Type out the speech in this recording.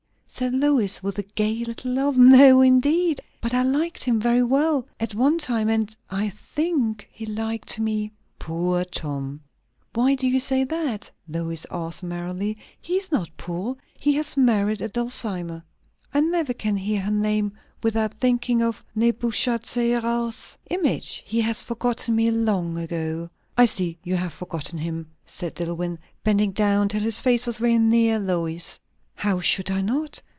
said Lois, with a gay little laugh. "No, indeed. But I liked him very well at one time; and I think he liked me." "Poor Tom!" "Why do you say that?" Lois asked merrily. "He is not poor; he has married a Dulcimer. I never can hear her name without thinking of Nebuchadnezzar's image! He has forgotten me long ago." "I see you have forgotten him," said Dillwyn, bending down till his face was very near Lois's. "How should I not?